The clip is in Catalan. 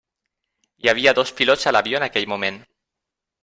Hi havia dos pilots a l'avió en aquell moment.